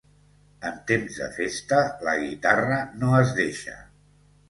En temps de festa la guitarra no es deixa.